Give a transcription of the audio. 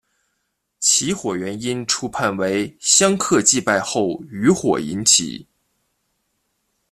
起火原因初判为香客祭拜后余火引起。